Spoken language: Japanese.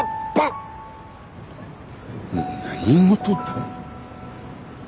何事だ。